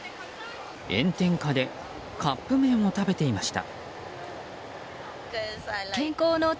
炎天下でカップ麺を食べていました。